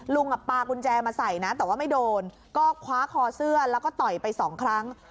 ลุงอย่างเป็นปลากุญแจใส่แต่ว่าไม่โดนก็คว้าคอเสื้อแล้วต่อยไป๒ครั้ง